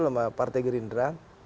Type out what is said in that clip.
pertama partai gerindra